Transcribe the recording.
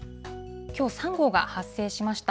きょう、３号が発生しました。